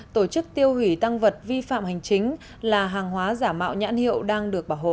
tổ chức tiêu hủy tăng vật vi phạm hành chính là hàng hóa giả mạo nhãn hiệu đang được bảo hộ